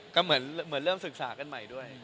ก็เหมือนเริ่มศึกษากันใหม่ด้วย